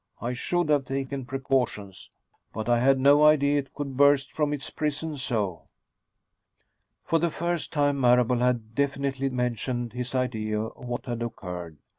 I should have taken precautions. But I had no idea it could burst from its prison so." For the first time Marable had definitely mentioned his idea of what had occurred.